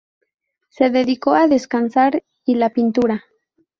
Se dedicó a descansar y la pintura.